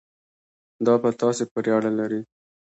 دا په تاسو پورې اړه لري.